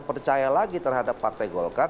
percaya lagi terhadap partai golkar